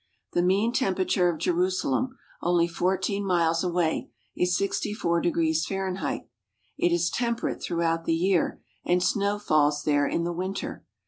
The mean temperature of Jerusalem, only fourteen miles away, is 64 Fahrenheit. It is temperate through out the year and snow falls there in the winter.